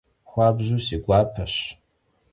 Xuabju si guapeş.